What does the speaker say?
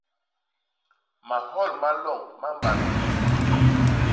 Mahol ma loñ ma mbat hi mut.